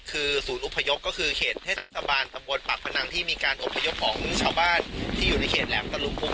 คือศูนย์อพยพก็คือเขตเทศบาลตำบลปากพนังที่มีการอบพยพของชาวบ้านที่อยู่ในเขตแหลมตะลุมพุง